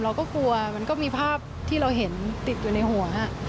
เราก็กลัวมันก็มีภาพที่เราเห็นติดอยู่ในหัว